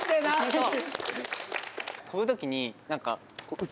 そう。